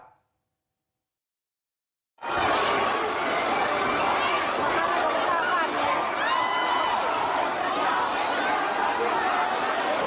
โอ๊ยอะไรเนี่ย